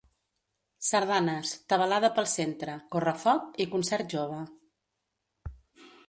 Sardanes, tabalada pel centre, correfoc i concert jove.